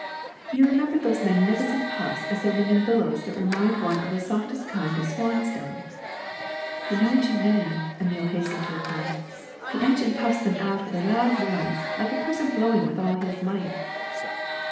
You remember those mag nificent puffs ascending in billows that remind one of the softest kind of swans ' do^^^l. '' ^'I know ^that you mean,'' Emile hastened to re ply; ^'the engine puffs them out with a loud noise like a person blowing with all his might."